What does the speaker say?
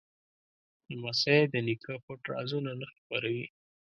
لمسی د نیکه پټ رازونه نه خپروي.